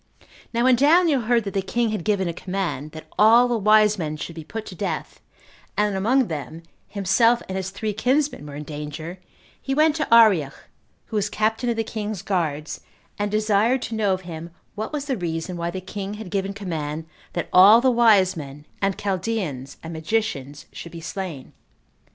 Now when Daniel heard that the king had given a command, that all the wise men should be put to death, and that among them himself and his three kinsmen were in danger, he went to Arioch, who was captain of the king's guards, and desired to know of him what was the reason why the king had given command that all the wise men, and Chaldeans, and magicians should be slain.